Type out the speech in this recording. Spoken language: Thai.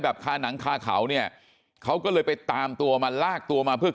คาหนังคาเขาเนี่ยเขาก็เลยไปตามตัวมาลากตัวมาเพื่อ